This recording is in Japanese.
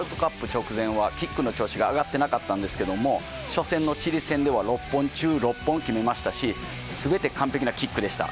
直前はキックの調子が上がってなかったんですけども初戦のチリ戦では６本中６本決めましたし全て完璧なキックでした。